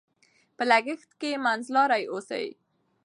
په لګښت کې منځلاري اوسئ.